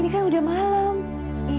sudah malam ini